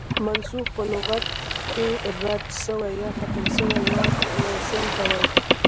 منسوخ په لغت کښي رد سوی، يا ختم سوي ته وايي.